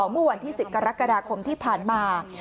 เมื่อวันที่๑๐กรกฎาคมที่ผ่านมา